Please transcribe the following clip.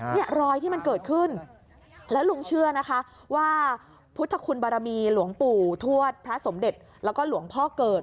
เนี่ยรอยที่มันเกิดขึ้นแล้วลุงเชื่อนะคะว่าพุทธคุณบารมีหลวงปู่ทวดพระสมเด็จแล้วก็หลวงพ่อเกิด